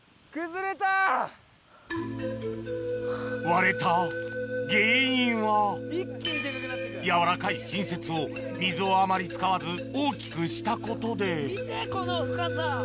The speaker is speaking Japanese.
割れた原因はやわらかい新雪を水をあまり使わず大きくしたことで見てこの深さ！